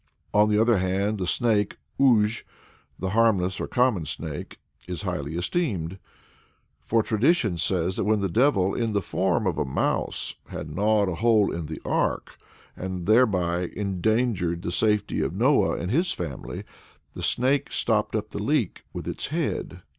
On the other hand the snake (uzh, the harmless or common snake) is highly esteemed, for tradition says that when the Devil, in the form of a mouse, had gnawed a hole in the Ark, and thereby endangered the safety of Noah and his family, the snake stopped up the leak with its head.